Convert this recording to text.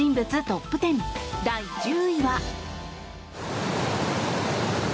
トップ１０第１０位は。